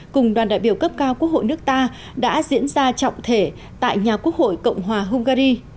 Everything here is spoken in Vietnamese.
cùng đoàn đại biểu cấp cao quốc hội nước ta đã diễn ra trọng thể tại nhà quốc hội cộng hòa hungary